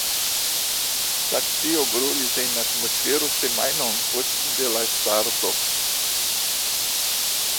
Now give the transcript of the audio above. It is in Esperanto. Stacio brulis en atmosfero semajnon post de la starto.